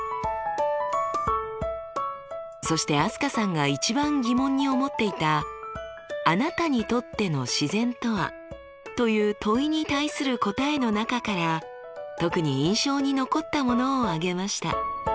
そして飛鳥さんが一番疑問に思っていた「あなたにとっての自然とは？」という問いに対する答えの中から特に印象に残ったものを挙げました。